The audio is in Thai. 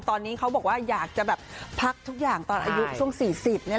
ตอนนี้เขาบอกว่าอยากจะแบบพักทุกอย่างตอนอายุช่วง๔๐นี่แหละ